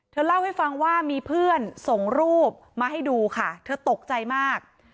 เล่าให้ฟังว่ามีเพื่อนส่งรูปมาให้ดูค่ะเธอตกใจมาก